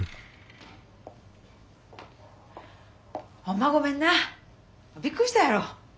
ホンマごめんなびっくりしたやろ。